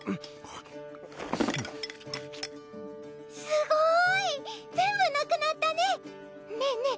すごーい全部なくなったねねえね